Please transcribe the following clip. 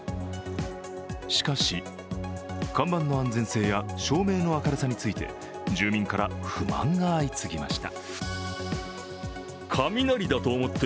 しかし、看板の安全性や照明の明るさについて住民から不満が相次ぎました。